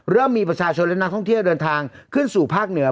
เริ่มมีประชาชนและนักท่องเที่ยวเดินทางขึ้นสู่ภาคเหนือ